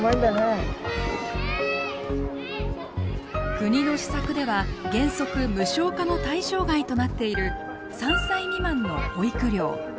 国の施策では原則無償化の対象外となっている３歳未満の保育料。